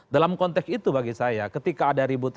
dalam konteks itu bagi saya ketika ada rilis yang berbeda